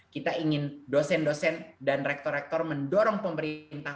kita ingin dosen dosen dan rektor rektor mendorong pemerintah